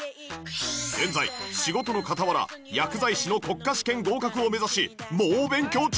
現在仕事の傍ら薬剤師の国家試験合格を目指し猛勉強中